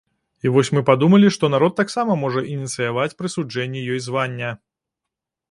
І вось мы падумалі, што народ таксама можа ініцыяваць прысуджэнне ёй звання.